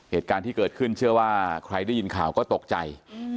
เหตุการณ์ที่เกิดขึ้นเชื่อว่าใครได้ยินข่าวก็ตกใจ